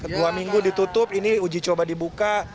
dua minggu ditutup ini uji coba dibuka